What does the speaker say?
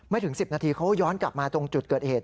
ถึง๑๐นาทีเขาย้อนกลับมาตรงจุดเกิดเหตุ